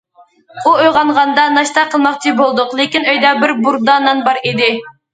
ئۇ ئويغانغاندا ناشتا قىلماقچى بولدۇق، لېكىن ئۆيدە بىر بۇردا نان بار ئىدى.